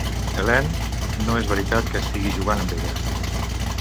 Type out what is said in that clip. Helene, no és veritat que estigui jugant amb ella.